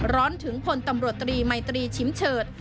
ร้อนถึงพลตำรวจตรีมัยตรีชิมเฉิด